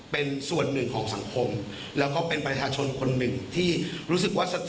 เป็นส่วนหนึ่งของสังคมแล้วก็เป็นประชาชนคนหนึ่งที่รู้สึกว่า